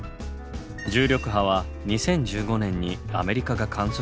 重力波は２０１５年にアメリカが観測に成功。